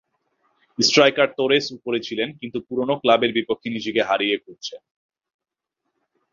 Striker Torres ওপরে ছিলেন, কিন্তু পুরোনো ক্লাবের বিপক্ষে নিজেকে হারিয়ে খুঁজেছেন।